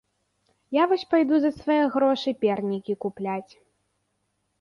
Я вось пайду за свае грошы пернікі купляць.